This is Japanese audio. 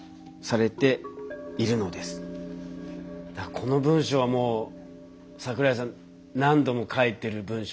この文章はもう桜井さん何度も書いてる文章ですよね。